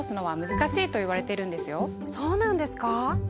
そうなんですか？